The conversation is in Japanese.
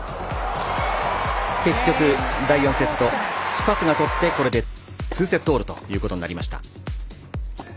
結局、第４セットチチパスが取ってこれで２セットオールということになりました。